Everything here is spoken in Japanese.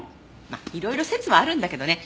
まあいろいろ説はあるんだけどね。